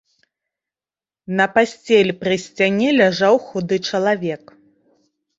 На пасцелі, пры сцяне ляжаў худы чалавек.